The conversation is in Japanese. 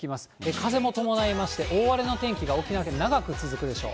風も伴いまして、大荒れの天気が沖縄県、長く続くでしょう。